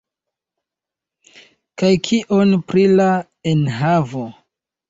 Kaj kion pri la enhavo?